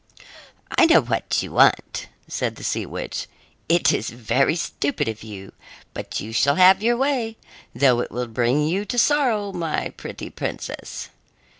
"I know what you want," said the sea witch. "It is very stupid of you, but you shall have your way, though it will bring you to sorrow, my pretty princess.